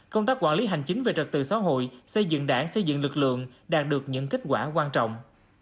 công tác quản lý hành chính về trật tự xã hội xây dựng đảng xây dựng lực lượng đạt được những kết quả quan trọng